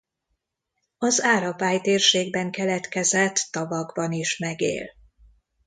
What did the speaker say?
Az árapály térségben keletkezett tavakban is megél.